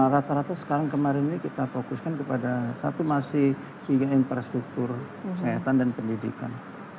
rata rata sekarang kemarin ini kita fokuskan kepada satu masih sehingga infrastruktur kesehatan dan pendidikan